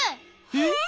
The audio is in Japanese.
え？